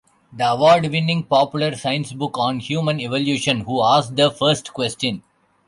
The award-winning popular science book on human evolution Who Asked the First Question?